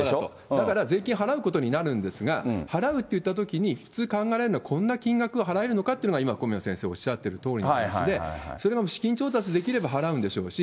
だから税金払うことになるんですが、払うっていったときに、普通考えられるのは、こんな金額を払えるのかっていうのが今、小宮先生おっしゃっているとおりで、それが資金調達できれば払うんでしょうし、